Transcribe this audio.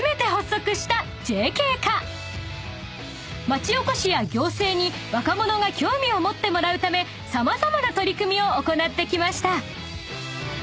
［町おこしや行政に若者が興味を持ってもらうため様々な取り組みを行ってきました］